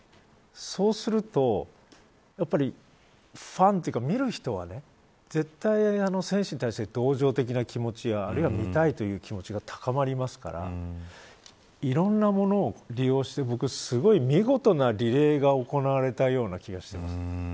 そうするとやっぱりファンというか見る人は絶対、選手に対して同情的な気持ちやあるいは見たいという気持ちが高まりますからいろんなものを利用してすごい見事なリレーが行われたような気がしてるんです。